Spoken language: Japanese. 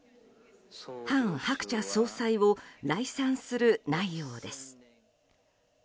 韓鶴子総裁を礼賛する内容です。